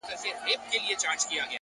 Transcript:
د انسان ارزښت په عمل کې ښکاري,